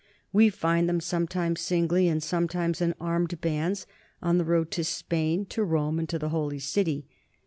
We find them, sometimes singly and sometimes in armed bands, on the road to Spain, to Rome, and to the Holy City.